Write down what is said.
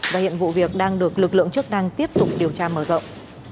và hiện vụ việc đang được lực lượng chức năng tiếp tục điều tra mở rộng